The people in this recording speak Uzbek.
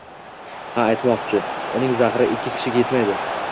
— Ha, aytmoqchi, uning zahri ikki kishiga yetmaydi...